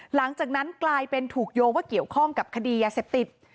หลังจากนั้นกลายเป็นถูกโยงว่าเกี่ยวข้องกับคดียาเสพติด